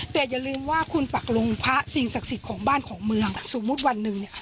แต่อย่าลืมว่าคุณปักลงพระสิ่งศักดิ์สิทธิ์ของบ้านของเมืองสมมุติวันหนึ่งเนี่ย